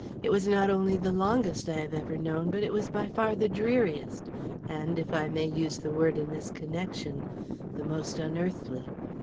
It was not only the longest I have ever known, but it was by far the dreariest, and, if I may use the word in this connection, the most unearthly.